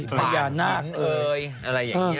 ป่านผลันเอ๋ยอะไรอย่างนี้